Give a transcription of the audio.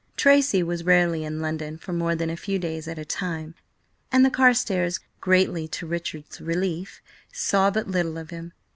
Tracy was rarely in London for more than a few days at a time, and the Carstares, greatly to Richard's relief, saw but little of him.